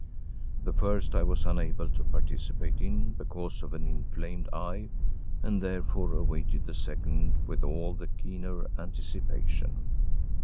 The first I was unable to participate in because of an inflamed eye, and therefore awaited the second with all the keener anticipation.